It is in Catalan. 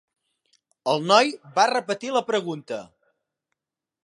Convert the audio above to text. El noi va repetir la pregunta.